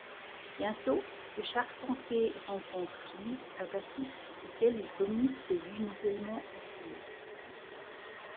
Bientôt, de Charpentier rencontre Louis Agassiz, auquel il communique ses vues nouvellement acquises.